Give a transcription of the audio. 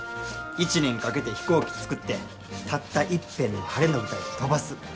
一年かけて飛行機作ってたったいっぺんの晴れの舞台で飛ばす。